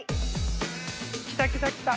来た来た来た。